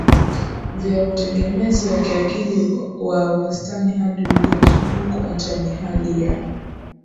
vya utegemezi wa kiakili wa wastani hadi ulio sugu kuacha ni hali ya